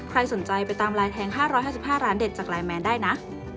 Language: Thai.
ใครสนใจไปตามลายแทง๕๕ร้านเด็ดจากไลน์แมนได้นะ